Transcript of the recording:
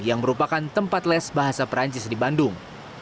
yang merupakan tempat les bahasa perancis di bandung